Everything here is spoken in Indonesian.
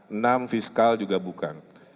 enam fiskal juga bukan